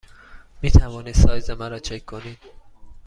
می توانید سایز مرا چک کنید؟